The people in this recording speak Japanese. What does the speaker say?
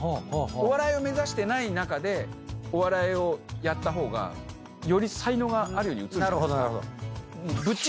お笑いを目指してない中でお笑いをやった方がより才能があるように映るじゃないですか。